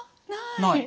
ない。